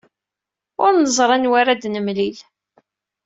Ur neẓri anwa ara d-nemlil.